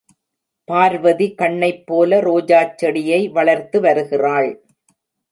பார்வதி கண்ணைப் போல ரோஜாச் செடியை வளர்த்து வருகிறாள்.